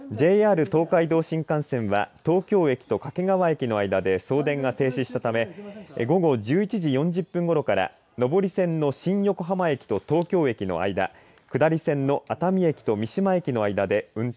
ＪＲ東海道新幹線は東京駅と掛川駅の間で送電が停止したため午後１１時４０分ごろから上り線の新横浜駅と東京駅の間下り線の熱海駅と三島駅の間で運転を見合わせています。